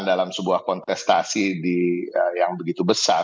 dalam sebuah kontestasi yang begitu besar